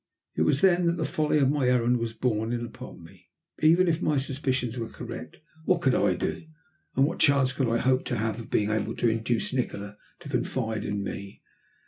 It was then that the folly of my errand was borne in upon me. Even if my suspicions were correct what could I do, and what chance could I hope to have of being able to induce Nikola to confide in me?